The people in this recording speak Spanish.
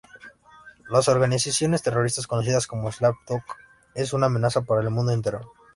La organización terrorista conocida como "Slave Dog" es una amenaza para el mundo entero.